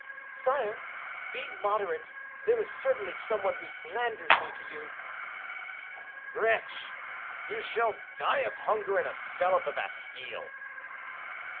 "Sire, be moderate; there is certainly some one who slanders me to you." "Wretch! you shall die of hunger in a cell of the Bastile!"